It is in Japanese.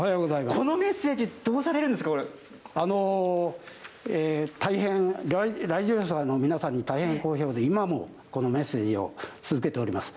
このメッセージどうされるん大変来場者の皆さんに大変好評で、今もこのメッセージを続けております。